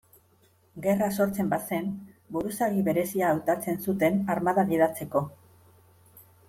Gerra sortzen bazen, buruzagi berezia hautatzen zuten armada gidatzeko.